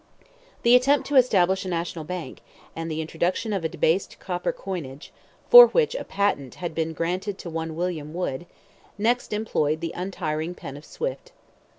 The attempt to establish a National Bank, and the introduction of a debased copper coinage, for which a patent had been, granted to one William Wood, next employed the untiring pen of Swift.